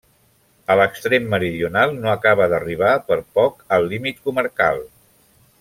A l'extrem meridional no acaba d'arribar per poc al límit comarcal.